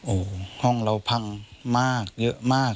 โอ้โหห้องเราพังมากเยอะมาก